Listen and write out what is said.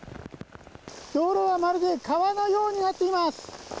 道路はまるで川のようになっています。